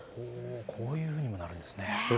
こういうふうになるんですね。